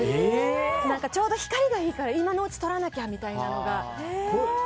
ちょうど光がいいから今のうちに撮らなきゃというのがあるので。